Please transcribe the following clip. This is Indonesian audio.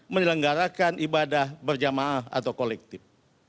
menyelenggarakan ibadah berjamaah atau kolektif